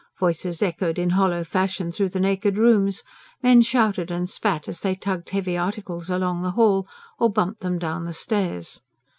Voices echoed in hollow fashion through the naked rooms; men shouted and spat as they tugged heavy articles along the hall, or bumped them down the stairs.